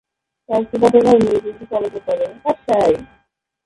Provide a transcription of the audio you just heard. তার ফুফাতো ভাই নিউ ডিগ্রি কলেজে পড়ে।